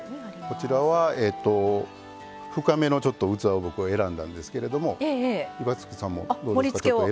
こちらは深めの器を僕は選んだんですけれども岩槻さんも盛りつけを。